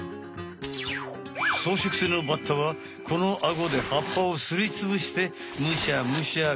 そうしょく性のバッタはこのアゴで葉っぱをすりつぶしてむしゃむしゃくらいつくす。